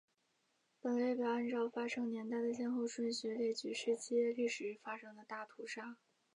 本列表按照发生年代的先后顺序列举世界历史上发生的大屠杀。